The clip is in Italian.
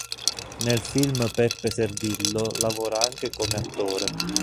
Nel film Peppe Servillo lavora anche come attore.